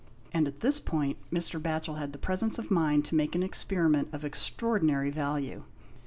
And at this point Mr. Batchel had the presence of mind to make an experiment of extraordinary value.